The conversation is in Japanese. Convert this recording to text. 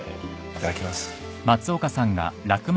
いただきます。